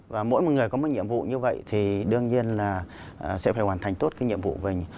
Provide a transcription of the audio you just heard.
và mỗi một người có một nhiệm vụ như vậy thì đương nhiên là sẽ phải hoàn thành tốt cái nhiệm vụ mình